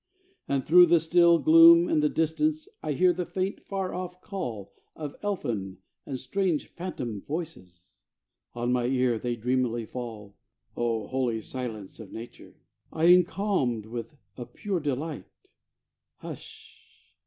And through the still gloom and the distance I hear the faint, far off call Of elfin and strange phantom voices On my ear they dreamily fall. O holy silence of nature! I am calmed with a pure delight. Hush!